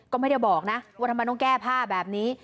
ก็ไม่ได้บอกนะว่าทำไมต้องแก้ผ้าแบบนี้